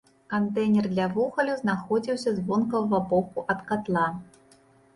Кантэйнер для вугалю знаходзіўся з вонкавага боку ад катла.